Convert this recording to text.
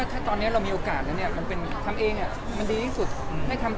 ผมดูจากงานวันนี้แล้วไม่เอา